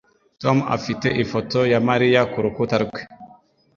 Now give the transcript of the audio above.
Tom afite ifoto ya Mariya kurukuta rwe.